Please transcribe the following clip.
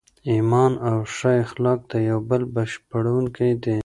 ایمان او ښه اخلاق د یو بل بشپړونکي دي.